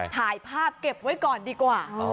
ถ่ายภาพเก็บไว้ก่อนดีกว่า